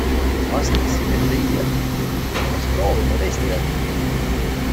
Ta vastas, et ei tea, hakkas proovima teiste järgi.